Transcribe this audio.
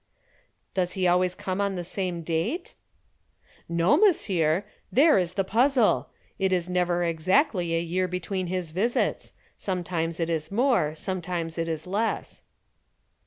"Does he always come on the same date?" "No, monsieur. There is the puzzle. It is never exactly a year between his visits sometimes it is more, sometimes it is less."